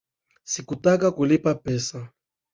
Sikutaka kulipa pesa.